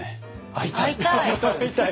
「会いたい」！